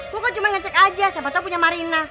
gue kok cuma ngecek aja siapa tau punya marina